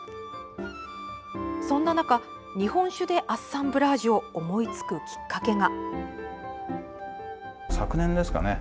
そんな中、日本酒でアッサンブラージュを思いつくきっかけが。